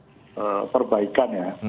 jadi common untuk perbaikan ya